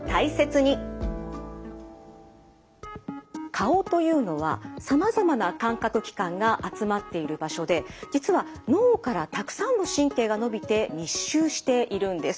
顔というのはさまざまな感覚器官が集まっている場所で実は脳からたくさんの神経がのびて密集しているんです。